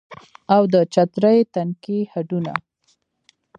او د چترۍ تنکي هډونه